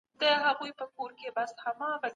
د سرمايې خالصي ګټي کچه به په راتلونکي کي زياته سي.